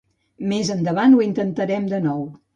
Més endavant ho intentarem de nou.